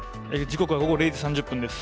時刻は午後０時３０分です。